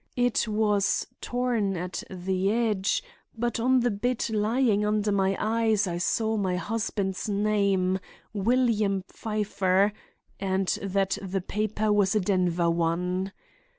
It was torn at the edge, but on the bit lying under my eyes I saw my husband's name, William Pfeiffer, and that the paper was a Denver one.